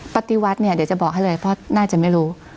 ปฏิวัติเนี่ยเดี๋ยวจะบอกให้เลยเพราะน่าจะไม่รู้